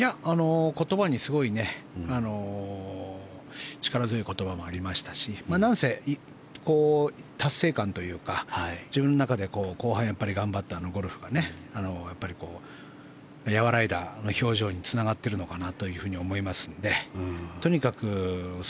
言葉に、すごい力強い言葉もありましたしなんせ達成感というか自分の中で後半頑張ったあのゴルフが和らいだ表情につながっているのかなと思いますのでとにかく